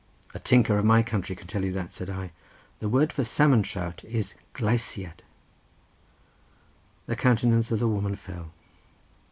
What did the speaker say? "A tinker of my country can tell you that," said I. "The word for salmon trout is gleisiad." The countenance of the woman fell.